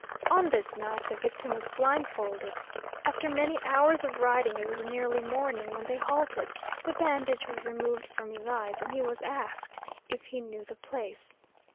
On this night the victim was blindfolded. After many hours of riding it was nearly morning when they halted the bandage was removed from his eyes, and he was asked if he knew the place.